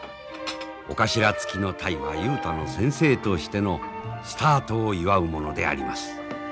尾頭付きの鯛は雄太の先生としてのスタートを祝うものであります。